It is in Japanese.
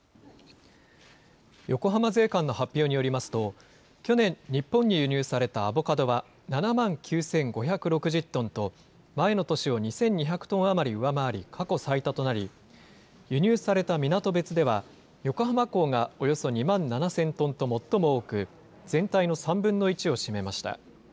横浜税関の発表によりますと、去年、日本に輸入されたアボカドは７万９５６０トンと、前の年を２２００トン余り上回り、過去最多となり、輸入された港別では、横浜港がおよそ２万７０００トンと最も多く、全体の３分の１を占めました。